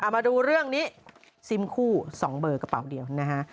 มาดูเรื่องนี้ซิมคู่๒เบอร์กระเป๋าเดียวนะฮะ